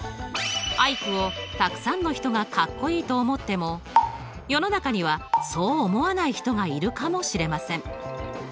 アイクをたくさんの人がかっこいいと思っても世の中にはそう思わない人がいるかもしれません。